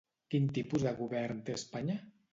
Quin tipus de govern té Espanya?